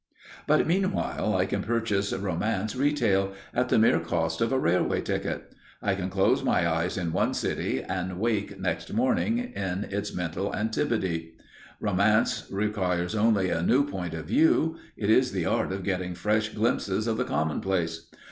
But meanwhile, I can purchase romance retail, at the mere cost of a railway ticket. I can close my eyes in one city, and wake next morning in its mental antipode. Romance requires only a new point of view; it is the art of getting fresh glimpses of the commonplace.